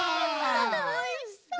おいしそう。